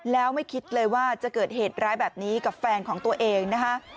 แล้วไม่คิดเลยว่าจะเกิดเหตุร้ายแบบนี้กับแฟนของตัวเองนะคะ